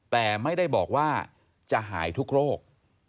แต่ไม่ได้บอกว่าจะหายทุกโรค